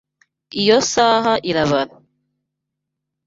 Iyo saha irabara